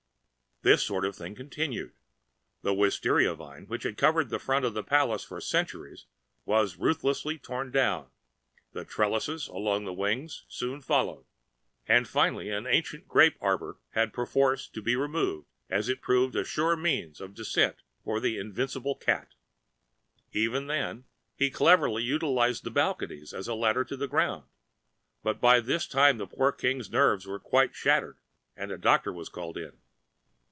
This sort of thing continued. The wistaria vine which had covered the front of the palace for centuries, was ruthlessly torn down, the trellises along the wings soon followed; and finally an ancient grape arbour had perforce to be removed as it proved a sure means of descent for that invincible cat. Even then, he cleverly utilized the balconies as a ladder to the ground; but by this time the poor King's nerves were quite shattered and the doctor was called in.